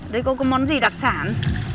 đây có món gì đặc sản